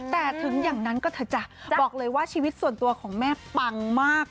แต่ถึงอย่างนั้นก็เถอะจ้ะบอกเลยว่าชีวิตส่วนตัวของแม่ปังมาก